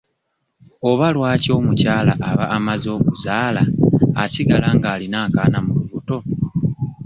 Oba lwaki omukyala aba amaze okuzaala asigala ng'alina akaana mu lubuto?